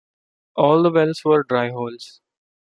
All the wells were dry holes.